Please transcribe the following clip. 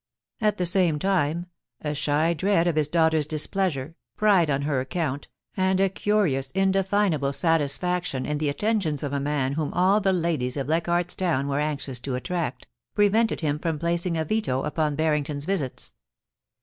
At the same time, a shy dread of his daughter's displeasure, pride on her account, and a curious indefinable satisfaction in the atten tions of a man whom all the ladies of Leichardt's Town were anxious to attract, prevented him from placing a veto upon Barrington's visits.